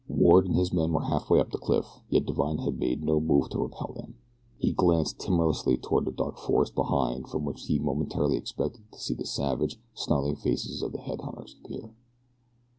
Ward and his men were halfway up the cliff, yet Divine had made no move to repel them. He glanced timorously toward the dark forest behind from which he momentarily expected to see the savage, snarling faces of the head hunters appear.